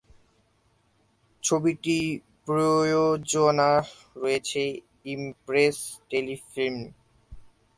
ছবিটি প্রযোজনা করেছে ইমপ্রেস টেলিফিল্ম।